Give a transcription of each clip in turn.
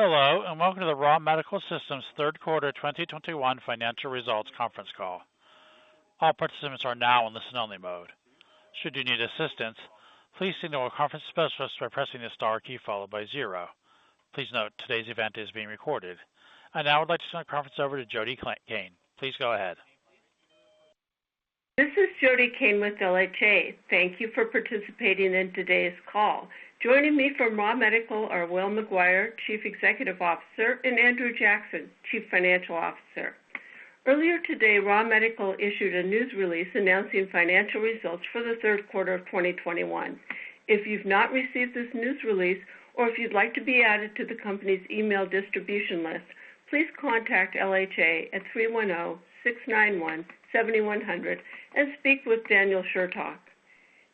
Hello, and welcome to the Ra Medical Systems third quarter 2021 financial results conference call. All participants are now in listen-only mode. Should you need assistance, please signal a conference specialist by pressing the star key followed by zero. Please note, today's event is being recorded. I now would like to turn the conference over to Jody Cain. Please go ahead. This is Jody Cain with LHA. Thank you for participating in today's call. Joining me from Ra Medical are Will McGuire, Chief Executive Officer, and Andrew Jackson, Chief Financial Officer. Earlier today, Ra Medical issued a news release announcing financial results for the third quarter of 2021. If you've not received this news release, or if you'd like to be added to the company's email distribution list, please contact LHA at 310-691-7100 and speak with Daniel Shurtleff.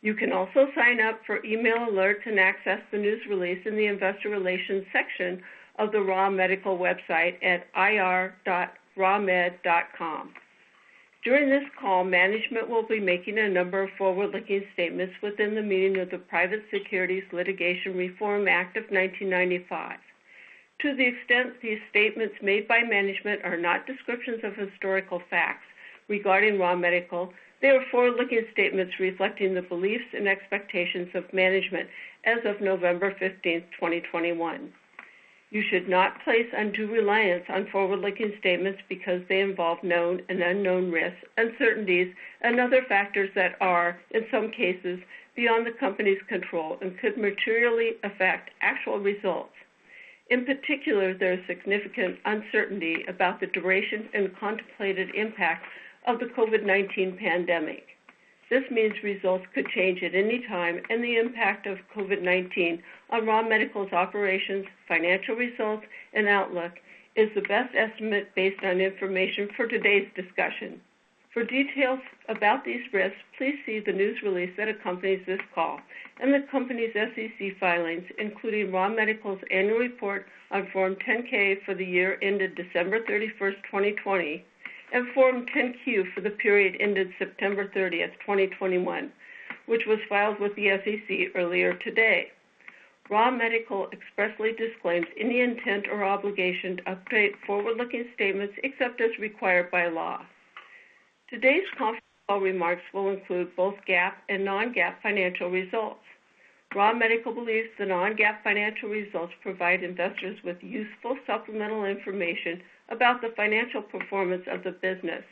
You can also sign up for email alert and access the news release in the investor relations section of the Ra Medical website at ir.ramed.com. During this call, management will be making a number of forward-looking statements within the meaning of the Private Securities Litigation Reform Act of 1995. To the extent these statements made by management are not descriptions of historical facts regarding Ra Medical, they are forward-looking statements reflecting the beliefs and expectations of management as of November 15, 2021. You should not place undue reliance on forward-looking statements because they involve known and unknown risks, uncertainties and other factors that are, in some cases, beyond the company's control and could materially affect actual results. In particular, there is significant uncertainty about the duration and contemplated impact of the COVID-19 pandemic. This means results could change at any time, and the impact of COVID-19 on Ra Medical's operations, financial results, and outlook is the best estimate based on information for today's discussion. For details about these risks, please see the news release that accompanies this call and the company's SEC filings, including Ra Medical's annual report on Form 10-K for the year ended December 31, 2020, and Form 10-Q for the period ended September 30, 2021, which was filed with the SEC earlier today. Ra Medical expressly disclaims any intent or obligation to update forward-looking statements except as required by law. Today's conference call remarks will include both GAAP and non-GAAP financial results. Ra Medical believes the non-GAAP financial results provide investors with useful supplemental information about the financial performance of the business,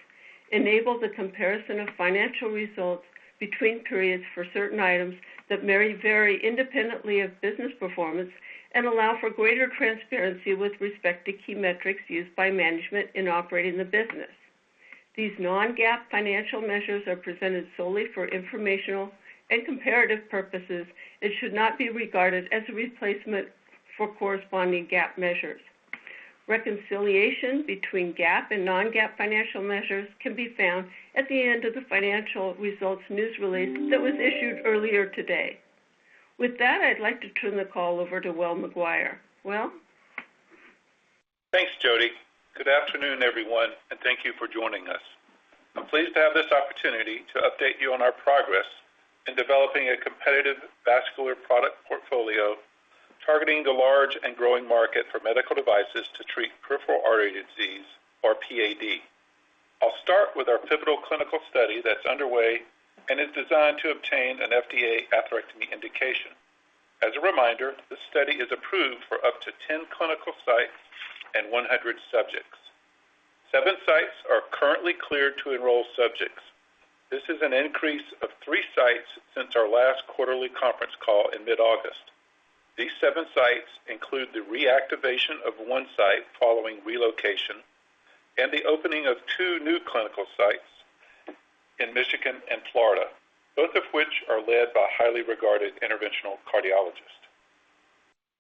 enable the comparison of financial results between periods for certain items that may vary independently of business performance, and allow for greater transparency with respect to key metrics used by management in operating the business. These non-GAAP financial measures are presented solely for informational and comparative purposes and should not be regarded as a replacement for corresponding GAAP measures. Reconciliation between GAAP and non-GAAP financial measures can be found at the end of the financial results news release that was issued earlier today. With that, I'd like to turn the call over to Will McGuire. Will? Thanks, Jody. Good afternoon, everyone, and thank you for joining us. I'm pleased to have this opportunity to update you on our progress in developing a competitive vascular product portfolio targeting the large and growing market for medical devices to treat peripheral artery disease, or PAD. I'll start with our pivotal clinical study that's underway and is designed to obtain an FDA atherectomy indication. As a reminder, the study is approved for up to 10 clinical sites and 100 subjects. Seven sites are currently cleared to enroll subjects. This is an increase of three sites since our last quarterly conference call in mid-August. These seven sites include the reactivation of one site following relocation and the opening of two new clinical sites in Michigan and Florida, both of which are led by highly regarded interventional cardiologists.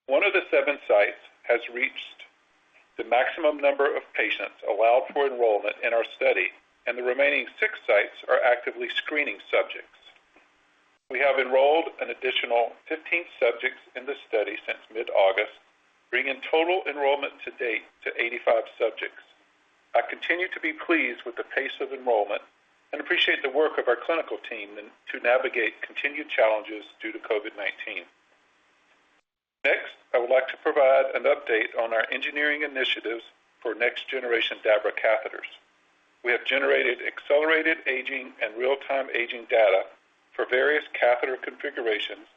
1 of the 7 sites has reached the maximum number of patients allowed for enrollment in our study, and the remaining 6 sites are actively screening subjects. We have enrolled an additional 15 subjects in the study since mid-August, bringing total enrollment to date to 85 subjects. I continue to be pleased with the pace of enrollment and appreciate the work of our clinical team in to navigate continued challenges due to COVID-19. Next, I would like to provide an update on our engineering initiatives for next generation DABRA catheters. We have generated accelerated aging and real-time aging data for various catheter configurations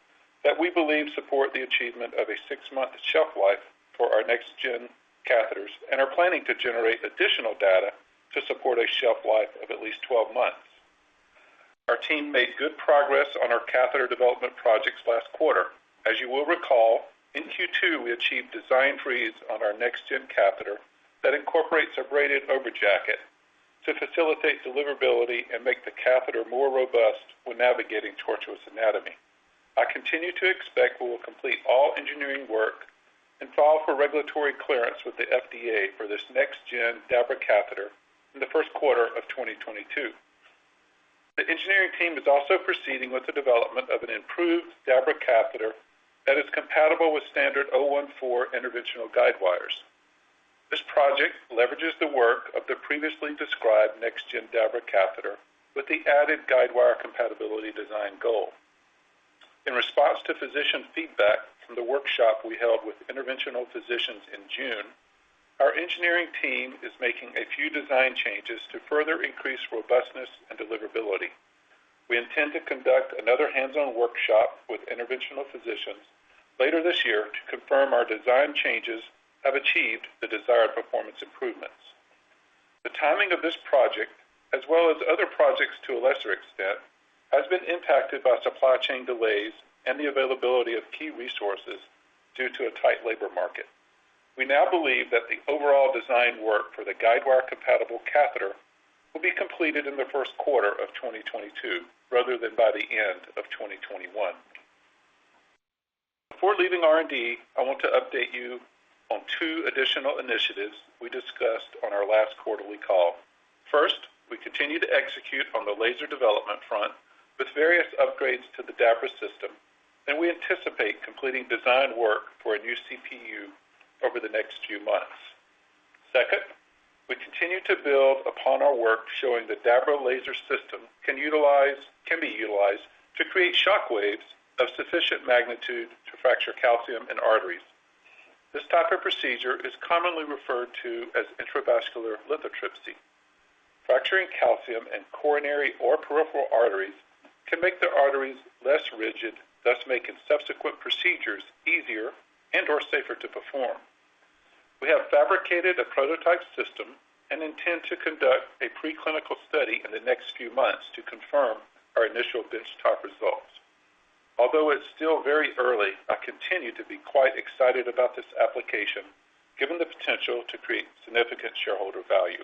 that we believe support the achievement of a 6-month shelf life for our next gen catheters and are planning to generate additional data to support a shelf life of at least 12 months. Our team made good progress on our catheter development projects last quarter. As you will recall, in Q2, we achieved design freeze on our next-gen catheter that incorporates a braided over jacket to facilitate deliverability and make the catheter more robust when navigating tortuous anatomy. I continue to expect we will complete all engineering work and file for regulatory clearance with the FDA for this next-gen DABRA catheter in the first quarter of 2022. The engineering team is also proceeding with the development of an improved DABRA catheter that is compatible with standard 0.014 interventional guide wires. This project leverages the work of the previously described next-gen DABRA catheter with the added guidewire compatibility design goal. In response to physician feedback from the workshop we held with interventional physicians in June, our engineering team is making a few design changes to further increase robustness and deliverability. We intend to conduct another hands-on workshop with interventional physicians later this year to confirm our design changes have achieved the desired performance improvements. The timing of this project, as well as other projects to a lesser extent, has been impacted by supply chain delays and the availability of key resources due to a tight labor market. We now believe that the overall design work for the guidewire-compatible catheter will be completed in the first quarter of 2022 rather than by the end of 2021. Before leaving R&D, I want to update you on two additional initiatives we discussed on our last quarterly call. First, we continue to execute on the laser development front with various upgrades to the DABRA system, and we anticipate completing design work for a new CPU over the next few months. Second, we continue to build upon our work showing the DABRA laser system can be utilized to create shockwaves of sufficient magnitude to fracture calcium in arteries. This type of procedure is commonly referred to as intravascular lithotripsy. Fracturing calcium in coronary or peripheral arteries can make the arteries less rigid, thus making subsequent procedures easier and/or safer to perform. We have fabricated a prototype system and intend to conduct a preclinical study in the next few months to confirm our initial benchtop results. Although it's still very early, I continue to be quite excited about this application, given the potential to create significant shareholder value.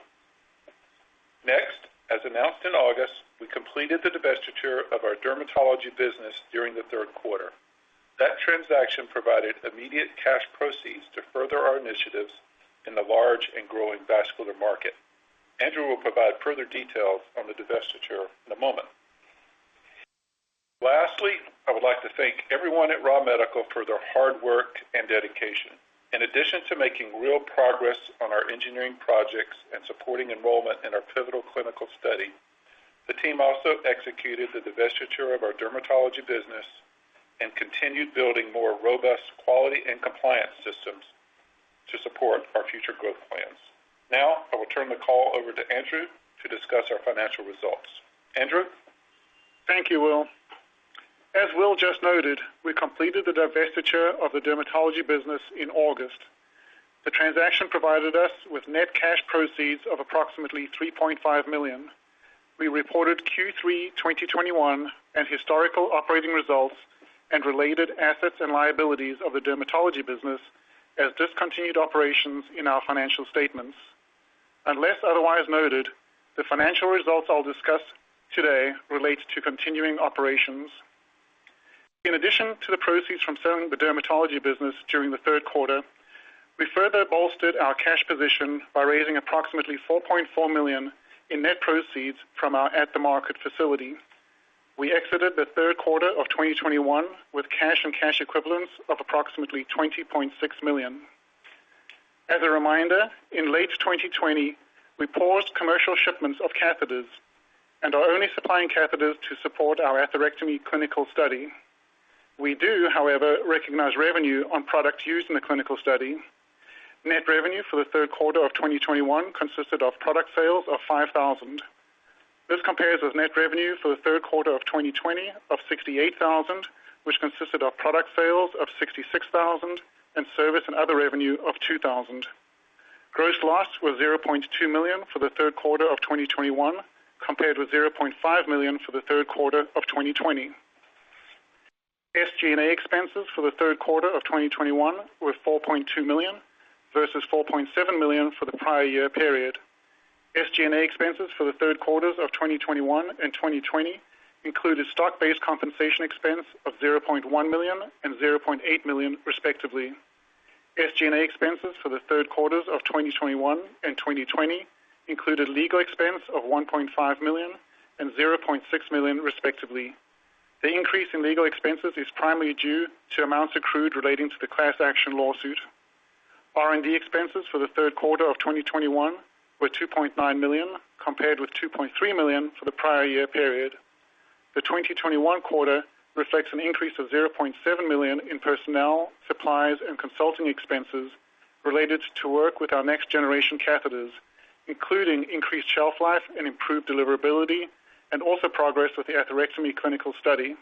Next, as announced in August, we completed the divestiture of our dermatology business during the third quarter. That transaction provided immediate cash proceeds to further our initiatives in the large and growing vascular market. Andrew will provide further details on the divestiture in a moment. Lastly, I would like to thank everyone at Ra Medical for their hard work and dedication. In addition to making real progress on our engineering projects and supporting enrollment in our pivotal clinical study, the team also executed the divestiture of our dermatology business and continued building more robust quality and compliance systems to support our future growth plans. Now, I will turn the call over to Andrew to discuss our financial results. Andrew? Thank you, Will. As Will just noted, we completed the divestiture of the dermatology business in August. The transaction provided us with net cash proceeds of approximately $3.5 million. We reported Q3 2021 and historical operating results and related assets and liabilities of the dermatology business as discontinued operations in our financial statements. Unless otherwise noted, the financial results I'll discuss today relate to continuing operations. In addition to the proceeds from selling the dermatology business during the third quarter, we further bolstered our cash position by raising approximately $4.4 million in net proceeds from our at-the-market facility. We exited the third quarter of 2021 with cash and cash equivalents of approximately $20.6 million. As a reminder, in late 2020, we paused commercial shipments of catheters and are only supplying catheters to support our atherectomy clinical study. We do, however, recognize revenue on products used in the clinical study. Net revenue for the third quarter of 2021 consisted of product sales of $5,000. This compares with net revenue for the third quarter of 2020 of $68,000, which consisted of product sales of $66,000 and service and other revenue of $2,000. Gross loss was $0.2 million for the third quarter of 2021, compared with $0.5 million for the third quarter of 2020. SG&A expenses for the third quarter of 2021 were $4.2 million versus $4.7 million for the prior year period. SG&A expenses for the third quarters of 2021 and 2020 included stock-based compensation expense of $0.1 million and $0.8 million, respectively. SG&A expenses for the third quarters of 2021 and 2020 included legal expense of $1.5 million and $0.6 million, respectively. The increase in legal expenses is primarily due to amounts accrued relating to the class action lawsuit. R&D expenses for the third quarter of 2021 were $2.9 million, compared with $2.3 million for the prior year period. The 2021 quarter reflects an increase of $0.7 million in personnel, supplies, and consulting expenses related to work with our next-generation catheters, including increased shelf life and improved deliverability, and also progress with the atherectomy clinical study.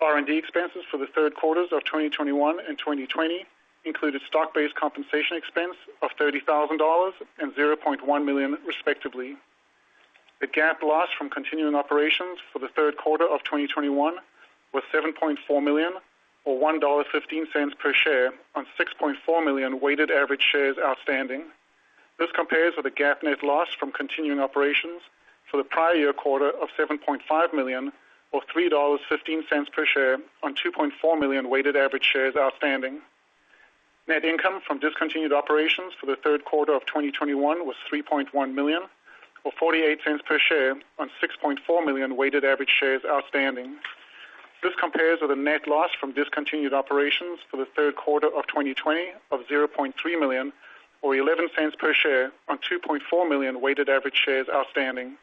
R&D expenses for the third quarters of 2021 and 2020 included stock-based compensation expense of $30,000 and $0.1 million, respectively. The GAAP loss from continuing operations for the third quarter of 2021 was $7.4 million, or $1.15 per share on 6.4 million weighted average shares outstanding. This compares with the GAAP net loss from continuing operations for the prior year quarter of $7.5 million, or $3.15 per share on 2.4 million weighted average shares outstanding. Net income from discontinued operations for the third quarter of 2021 was $3.1 million, or $0.48 per share on 6.4 million weighted average shares outstanding. This compares with a net loss from discontinued operations for the third quarter of 2020 of $0.3 million or $0.11 per share on 2.4 million weighted average shares outstanding.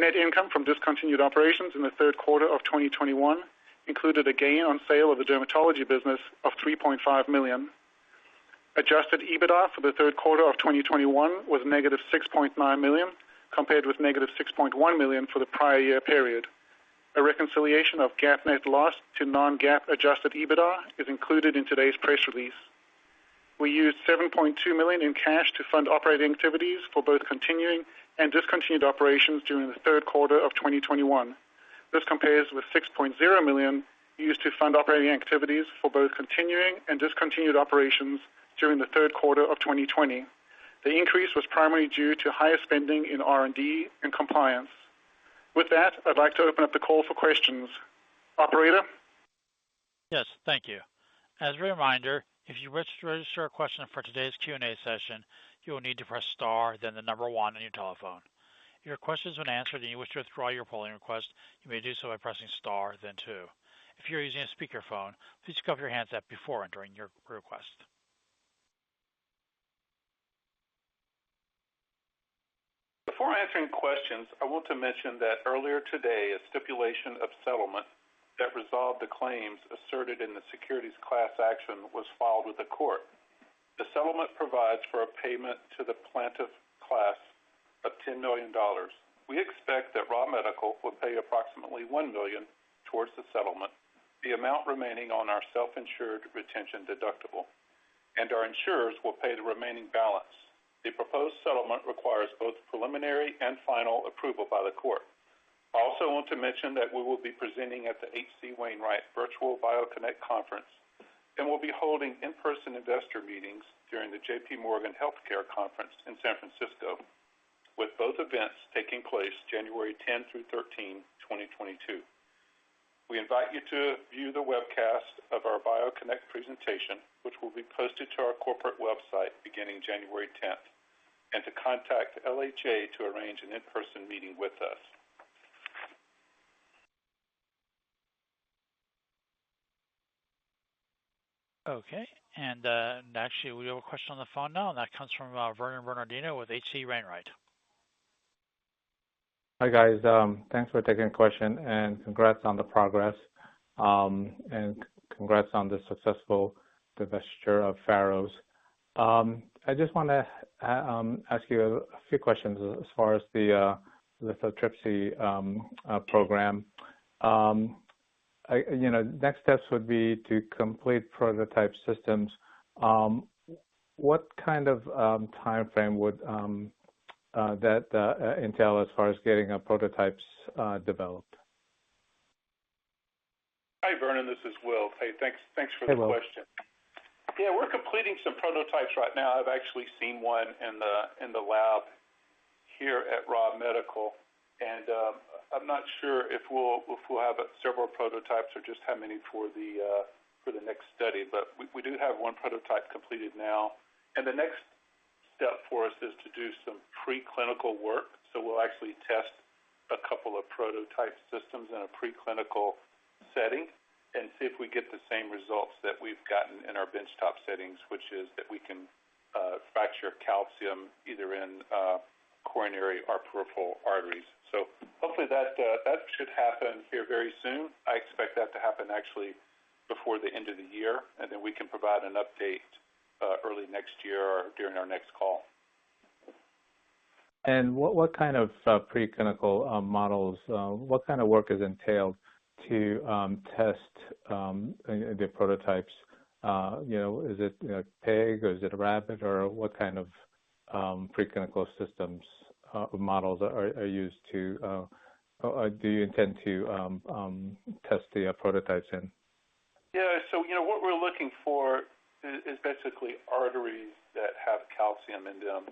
Net income from discontinued operations in the third quarter of 2021 included a gain on sale of the dermatology business of $3.5 million. Adjusted EBITDA for the third quarter of 2021 was -$6.9 million, compared with -$6.1 million for the prior year period. A reconciliation of GAAP net loss to non-GAAP adjusted EBITDA is included in today's press release. We used $7.2 million in cash to fund operating activities for both continuing and discontinued operations during the third quarter of 2021. This compares with $6.0 million used to fund operating activities for both continuing and discontinued operations during the third quarter of 2020. The increase was primarily due to higher spending in R&D and compliance. With that, I'd like to open up the call for questions. Operator? Yes, thank you. As a reminder, if you wish to register a question for today's Q&A session, you will need to press star then the number one on your telephone. If your question has been answered and you wish to withdraw your polling request, you may do so by pressing star then two. If you're using a speakerphone, please cover your handset before entering your request. Before answering questions, I want to mention that earlier today, a stipulation of settlement that resolved the claims asserted in the securities class action was filed with the court. The settlement provides for a payment to the plaintiff class of $10 million. We expect that Ra Medical will pay approximately $1 million towards the settlement, the amount remaining on our self-insured retention deductible, and our insurers will pay the remaining balance. The proposed settlement requires both preliminary and final approval by the court. I also want to mention that we will be presenting at the H.C. Wainwright BioConnect conference, and we'll be holding in-person investor meetings during the JPMorgan Healthcare Conference in San Francisco, with both events taking place January 10-13, 2022. We invite you to view the webcast of our BioConnect presentation, which will be posted to our corporate website beginning January tenth, and to contact LHA to arrange an in-person meeting with us. Okay. Actually, we have a question on the phone now, and that comes from Vernon Bernardino with H.C. Wainwright. Hi, guys. Thanks for taking the question, and congrats on the progress, and congrats on the successful divestiture of Pharos. I just wanna ask you a few questions as far as the lithotripsy program. You know, next steps would be to complete prototype systems. What kind of timeframe would that entail as far as getting prototypes developed? Hi, Vernon. This is Will. Hey, thanks for the question. Hey, Will. Yeah, we're completing some prototypes right now. I've actually seen one in the lab here at Ra Medical, and I'm not sure if we'll have several prototypes or just how many for the next study. We do have one prototype completed now. The next step for us is to do some preclinical work, so we'll actually test a couple of prototype systems in a preclinical setting and see if we get the same results that we've gotten in our benchtop settings, which is that we can fracture calcium either in coronary or peripheral arteries. Hopefully that should happen here very soon. I expect that to happen actually before the end of the year, and then we can provide an update early next year or during our next call. What kind of preclinical models, what kind of work is entailed to test the prototypes? You know, is it you know pig or is it a rabbit or what kind of preclinical systems or models are used to or do you intend to test the prototypes in? Yeah. You know, what we're looking for is basically arteries that have calcium in them.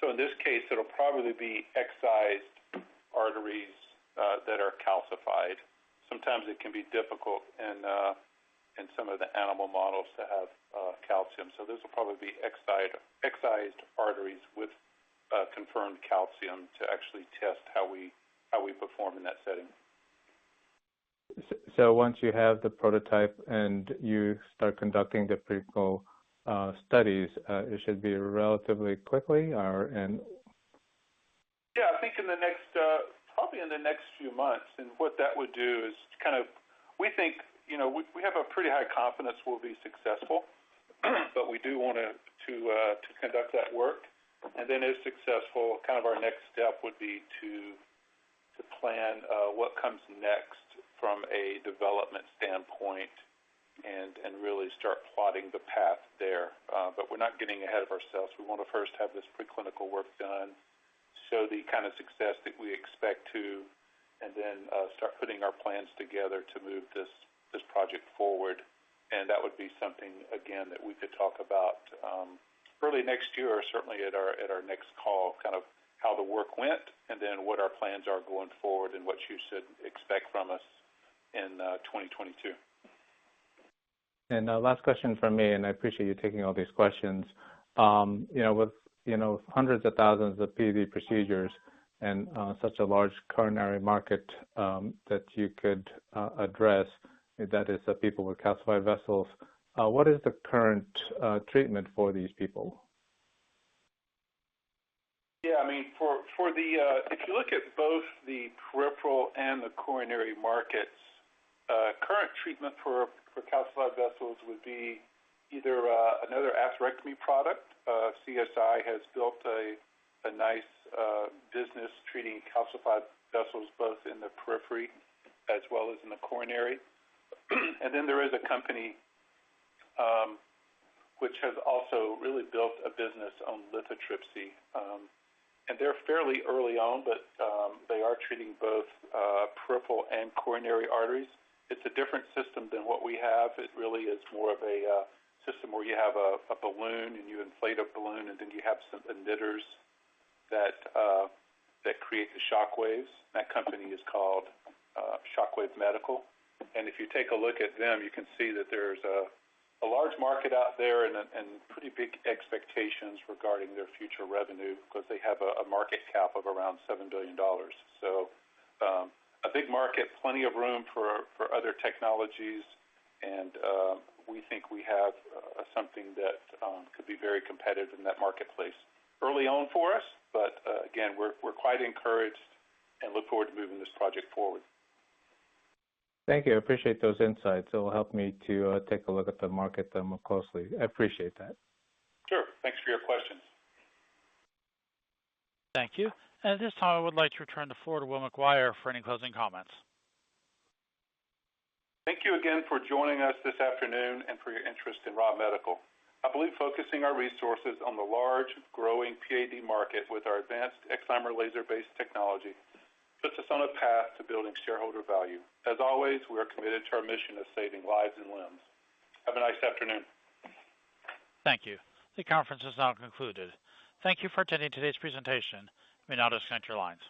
In this case, it'll probably be excised arteries that are calcified. Sometimes it can be difficult in some of the animal models to have calcium. Those will probably be excised arteries with confirmed calcium to actually test how we perform in that setting. Once you have the prototype and you start conducting the clinical studies, it should be relatively quickly. Yeah, I think in the next, probably in the next few months. What that would do is kind of. We think, you know, we have a pretty high confidence we'll be successful, but we do want to conduct that work. If successful, kind of our next step would be to plan what comes next from a development standpoint and really start plotting the path there. We're not getting ahead of ourselves. We wanna first have this preclinical work done, show the kind of success that we expect to, and then start putting our plans together to move this project forward. That would be something, again, that we could talk about early next year, certainly at our next call, kind of how the work went and then what our plans are going forward and what you should expect from us in 2022. Last question from me, and I appreciate you taking all these questions. You know, with you know, hundreds of thousands of PAD procedures and such a large coronary market that you could address, that is the people with calcified vessels, what is the current treatment for these people? I mean, if you look at both the peripheral and the coronary markets, current treatment for calcified vessels would be either another atherectomy product. CSI has built a nice business treating calcified vessels both in the periphery as well as in the coronary. There is a company which has also really built a business on lithotripsy. They're fairly early on, but they are treating both peripheral and coronary arteries. It's a different system than what we have. It really is more of a system where you have a balloon and you inflate a balloon, and then you have some emitters that create the shock waves. That company is called Shockwave Medical. If you take a look at them, you can see that there's a large market out there and pretty big expectations regarding their future revenue because they have a market cap of around $7 billion. A big market, plenty of room for other technologies and we think we have something that could be very competitive in that marketplace. Early on for us, again, we're quite encouraged and look forward to moving this project forward. Thank you. I appreciate those insights. It'll help me to take a look at the market more closely. I appreciate that. Sure. Thanks for your questions. Thank you. At this time, I would like to return the floor to Will McGuire for any closing comments. Thank you again for joining us this afternoon and for your interest in Ra Medical. I believe focusing our resources on the large, growing PAD market with our advanced excimer laser-based technology puts us on a path to building shareholder value. As always, we are committed to our mission of saving lives and limbs. Have a nice afternoon. Thank you. The conference is now concluded. Thank you for attending today's presentation. You may now disconnect your lines.